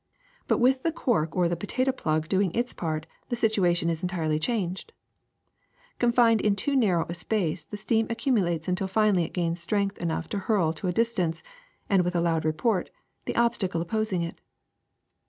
But with the cork or the potato plug doing its part the situation is entirely changed. Confined in too nar row a space, the steam accumulates until finally it gains strength enough to hurl to a distance, and with a loud report, the obstacle opposing it.